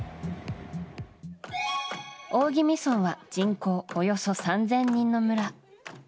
大宜味村は人口およそ３０００人の村。